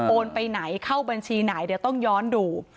ไปไหนเข้าบัญชีไหนเดี๋ยวต้องย้อนดู